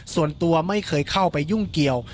ส่วนตัวไม่เคยเข้าไปยุ่งเกี่ยว